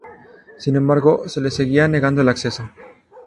Sin embargo, se les seguía negando el acceso.